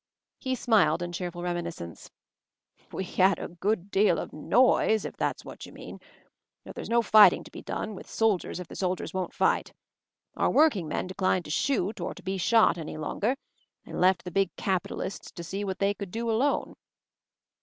/" He smiled in cheerful reminiscence. "We had a good deal of noise, if that's what you mean. But there's no fighting to be done, j with soldiers, if the soldiers won't fight. Our workingmen declined to shoot or to be shot any longer, and left the big capitalists :. to see what they could do alone."